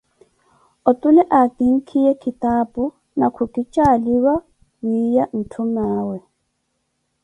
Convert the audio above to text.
Othule akinkiyeeyo kithaapu, na ku kijaaliwa wiiya nthuume awe.